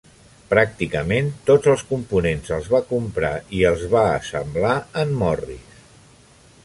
Pràcticament tots els components els va comprar i els va assemblar en Morris.